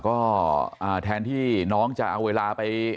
ก็แทนที่น้องจะเอาเวลาไป